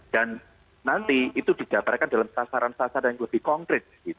dan nanti itu didapatkan dalam sasaran sasaran yang lebih konkret